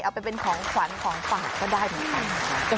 เอาไปเป็นของขวัญของฝากก็ได้เหมือนกันนะคะ